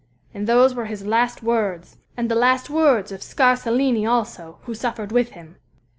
And those were his last words, and the last words of Scarsellini also, who suffered with him.